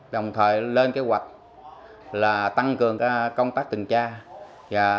đồng thời lên kế hoạch là tăng cường công tác tình tra